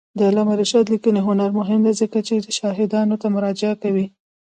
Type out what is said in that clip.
د علامه رشاد لیکنی هنر مهم دی ځکه چې شاهدانو ته مراجعه کوي.